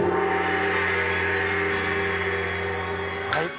はい。